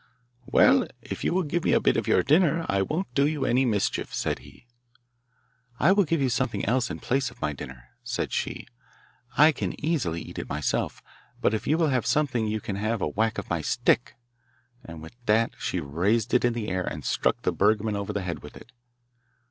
'Well, if you will give me a bit of your dinner I won't do you any mischief,' said he. 'I will give you something else in place of my dinner,' said she. 'I can easily eat it myself; but if you will have something you can have a whack of my stick,' and with that she raised it in the air and struck the bergman over the head with it.